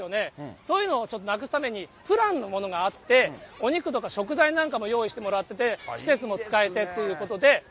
そういうのをちょっとにプランのものがあって、お肉とか食材なんかも用意してもらってて、施設も使えてということで。